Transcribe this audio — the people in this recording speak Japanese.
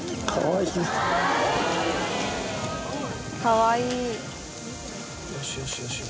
かわいい。